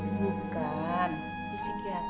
kebetulan saya tanya bapak